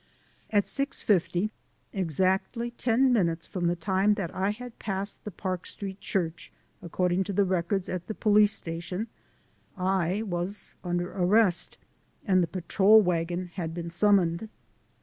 At 6:50, exactly ten minutes from the time that I had passed the Park Street Church, according to the records at the police station I was under arrest and the patrol wagon had been sum moned.